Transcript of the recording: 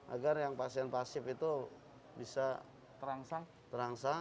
agar yang pasien pasif itu bisa terangsang